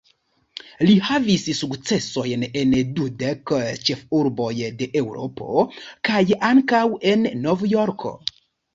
Li havis sukcesojn en dekdu ĉefurboj de Eŭropo kaj ankaŭ en Novjorko.